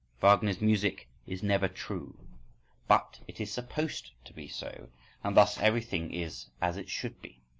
Wagner's music is never true. —But it is supposed to be so: and thus everything is as it should be.